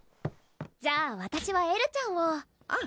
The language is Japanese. じゃあわたしはエルちゃんをあぁ